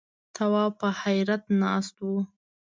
تواب په حيرت ناست و.